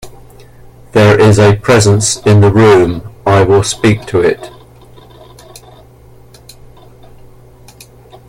There is a presence in the room; I will speak to it.